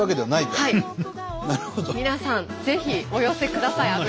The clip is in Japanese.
皆さんぜひお寄せください。